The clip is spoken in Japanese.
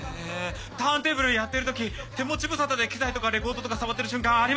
ターンテーブルやってる時手持ち無沙汰で機材とかレコードとか触ってる瞬間あります！